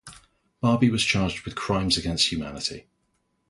Barbie was charged with crimes against humanity.